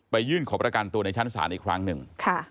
ยื่นขอประกันตัวในชั้นศาลอีกครั้งหนึ่ง